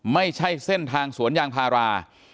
ไม่ใช่เส้นทางสวนยางพารา